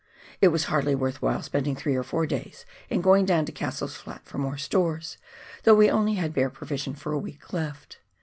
It was hardly worth while spending three or four days in going down to Cassell's Flat for more stores, though we only had bare provision for a week left.